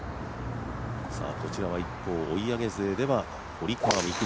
こちらは一方、追い上げ勢では堀川未来